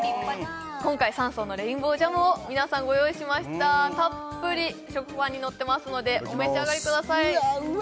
今回３層のレインボージャムを皆さんご用意しましたたっぷり食パンにのってますのでお召し上がりくださいうわうわ